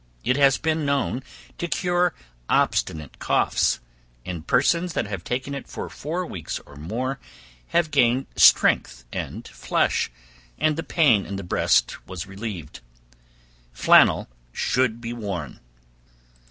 It has been known to cure obstinate coughs, and persons that have taken it for four weeks or more, have gained strength and flesh, and the pain in the breast was relieved. Flannel should be worn.